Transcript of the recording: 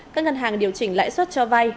các ngân hàng điều chỉnh lãi suất cho vai